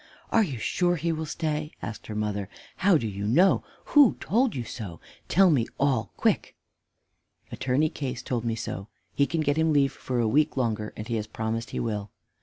"Are you sure he will stay?" asked her mother. "How do you know? Who told you so? Tell me all quick!" "Attorney Case told me so; he can get him leave for a week longer, and he has promised he will."